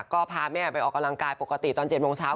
ก็พาแม่ไปออกกำลังกายปกติตอน๗โมงเช้า